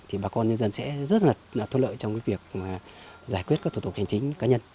thì bà con nhân dân sẽ rất là thuận lợi trong cái việc giải quyết các thủ tục hành chính cá nhân